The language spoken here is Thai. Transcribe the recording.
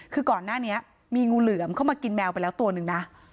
คือก่อนหน้านี้มีงูเหลือมเข้ามากินแมวไปแล้วตัวหนึ่งนะ